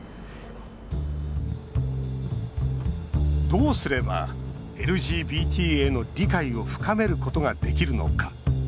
どうすればＬＧＢＴへの理解を深めることができるのか。